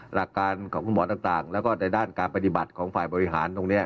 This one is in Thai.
หลักการของคุณหมอต่างแล้วก็ในด้านการปฏิบัติของฝ่ายบริหารตรงนี้